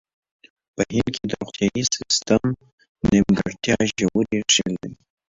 په هند کې د روغتیايي سیستم نیمګړتیا ژورې ریښې لري.